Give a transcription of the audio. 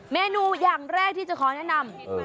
เมนูอย่างแรกที่จะขอแนะนำ